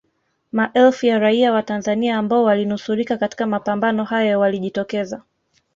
Maelfu ya raia wa Tanzania ambao walinusurika katika mapambano hayo walijitokeza